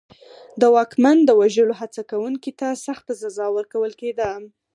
د واکمن د وژلو هڅه کوونکي ته سخته سزا ورکول کېده.